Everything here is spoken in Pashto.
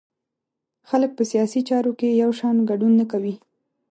خلک په سیاسي چارو کې یو شان ګډون نه کوي.